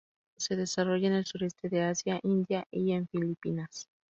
Se desarrolla en el sureste de Asia, India y en Filipinas.